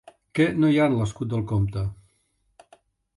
Què no hi ha en l'escut del comte?